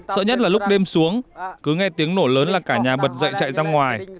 sợ nhất là lúc đêm xuống cứ nghe tiếng nổ lớn là cả nhà bật dậy chạy ra ngoài